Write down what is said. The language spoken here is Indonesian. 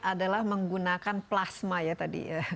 adalah menggunakan plasma ya tadi